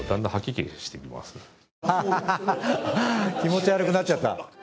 ははは気持ち悪くなっちゃった。